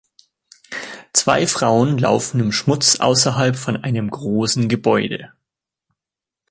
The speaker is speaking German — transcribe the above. Zwei Frauen laufen im Schmutz außerhalb von einem großen Gebäude.